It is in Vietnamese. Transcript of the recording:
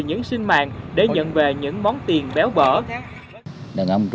những sinh mạng để nhận về những món tiền béo bỡ